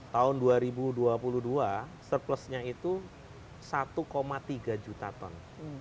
tahun dua ribu dua puluh dua surplusnya itu satu tiga juta ton